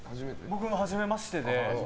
僕もはじめましてで。